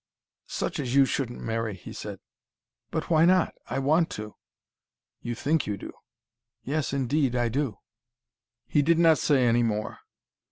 "Such as you shouldn't marry," he said. "But why not? I want to." "You think you do." "Yes indeed I do." He did not say any more.